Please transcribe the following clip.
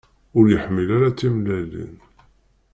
Ur yeḥmil ara timellalin.